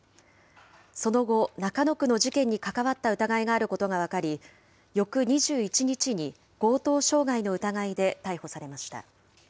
その後、中野区の事件に関わった疑いがあることが分かり、翌２１日に強盗傷害の疑いで逮捕されました。